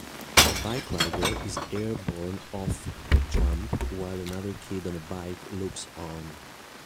A bike rider is airborne off a jump while another kid on a bike looks on.